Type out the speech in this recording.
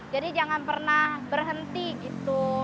jadi jangan pernah berhenti gitu